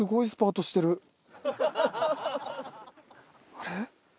あれ？